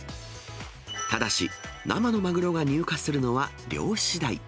ただし、生のマグロが入荷するのは漁しだい。